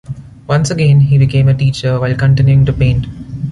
Once again, he became a teacher while continuing to paint.